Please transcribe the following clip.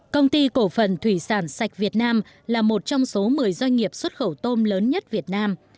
công ty cổ phần thủy sản sạch việt nam là một trong số một mươi doanh nghiệp xuất khẩu tôm lớn nhất việt nam